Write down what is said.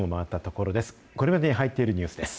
これまでに入っているニュースです。